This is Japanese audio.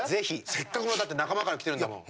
せっかくの、だって仲間から来てるんだもん。